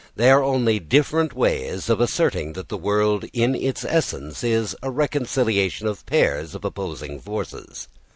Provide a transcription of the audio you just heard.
They are only different ways of asserting that the world in its essence is a reconciliation of pairs of opposing forces.